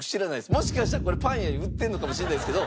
もしかしたらこれパン屋に売ってるのかもしれないですけど。